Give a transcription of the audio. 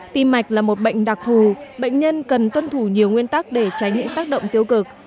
tim mạch là một bệnh đặc thù bệnh nhân cần tuân thủ nhiều nguyên tắc để tránh những tác động tiêu cực